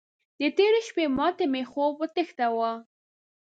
د تېرې شپې ماتې مې خوب وتښتاوو.